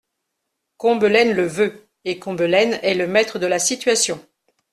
Combelaine le veut, et Combelaine est le maître de la situation.